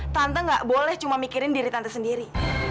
tante gak boleh cuma mikirin diri tante sendiri